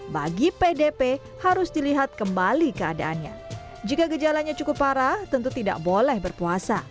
bagi pdp harus dilihat kembali keadaannya jika gejalanya cukup parah tentu tidak boleh berpuasa